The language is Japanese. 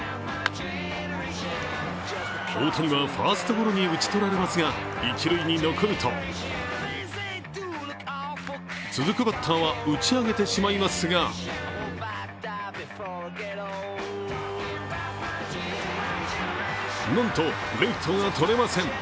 大谷はファーストゴロに打ち取られますが一塁に残ると続くバッターは打ち上げてしまいますがなんと、レフトがとれません。